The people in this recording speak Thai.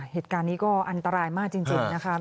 เหตุการณ์นี้ก็อันตรายมากจริงนะคะ